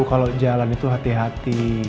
kalau jalan itu hati hati